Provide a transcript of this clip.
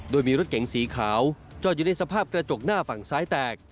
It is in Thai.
โดยมีรถเก๋งสีขาวจอดอยู่ในสภาพกระจกหน้าฝั่งซ้ายแตก